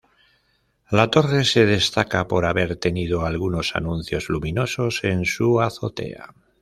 La torre se destaca por haber tenido algunos anuncios luminosos en su azotea.